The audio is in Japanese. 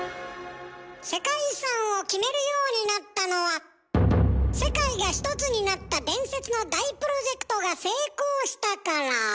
世界遺産を決めるようになったのは世界がひとつになった伝説の大プロジェクトが成功したから。